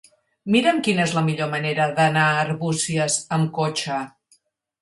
Mira'm quina és la millor manera d'anar a Arbúcies amb cotxe.